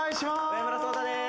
植村颯太です。